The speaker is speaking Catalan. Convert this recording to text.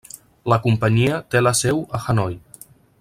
La companyia té la seu a Hanoi.